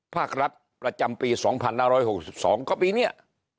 ภาครัฐประจำปี๒๕๖๒ก็ปีนี้